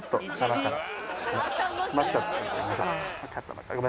詰まっちゃったんで。